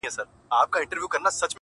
اوس په پوهېږمه زه، اوس انسان شناس يمه~